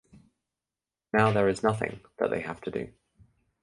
Now there is nothing (that they have to do).